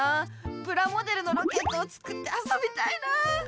プラモデルのロケットを作ってあそびたいな。